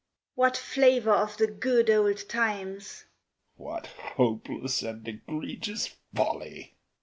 _) What flavour of the good old times! (_What hopeless and egregious folly!